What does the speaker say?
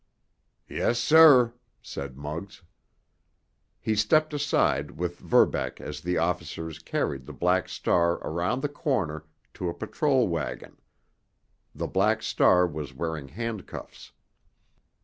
"Yes, sir," said Muggs. He stepped aside with Verbeck as the officers carried the Black Star around the corner to a patrol wagon—the Black Star was wearing handcuffs.